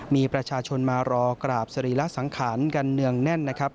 มีประชาชนมารอกราบสรีระสังขารกันเนืองแน่นนะครับ